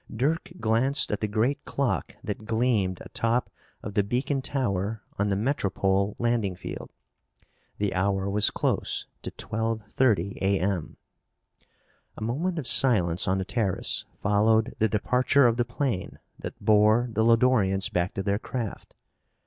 Dirk glanced at the great clock that gleamed atop of the beacon tower on the Metropole Landing Field. The hour was close to twelve thirty A. M. A moment of silence on the terrace followed the departure of the plane that bore the Lodorians back to their craft.